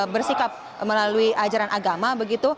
bersikap melalui ajaran agama begitu